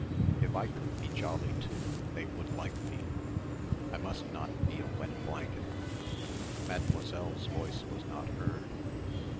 If I could be jolly too they would like me. I must not be a wet blanket.... Mademoiselle's voice was not heard.